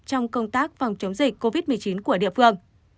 trong công tác phòng chống dịch covid một mươi chín của địa phương